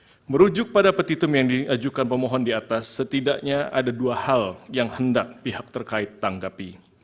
yang merujuk pada petitum yang diajukan pemohon di atas setidaknya ada dua hal yang hendak pihak terkait tanggapi